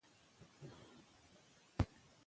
که پوهه وي نو ژوند نه خرابیږي.